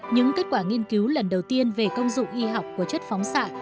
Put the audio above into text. những kết quả nghiên cứu lần đầu tiên về công dụng y học của chất phóng xạ